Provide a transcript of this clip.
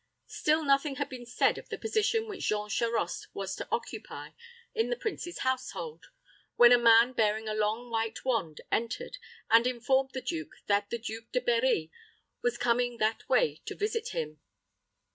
Still, nothing had been said of the position which Jean Charost was to occupy in the prince's household, when a man bearing a long white wand entered, and informed the duke that the Duke de Berri was coming that way to visit him.